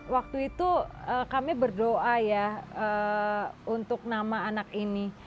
waktu itu kami berdoa ya untuk nama anak ini